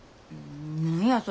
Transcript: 何やそれ。